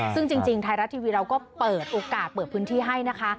ซึ่งจริงไทยรัฐทีวีเราก็เปิดโอกาสเปิดพื้นที่ให้นะคะ